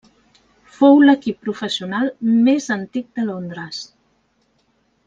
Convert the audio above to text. Fou l'equip professional més antic de Londres.